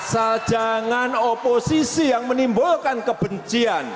asal jangan oposisi yang menimbulkan kebencian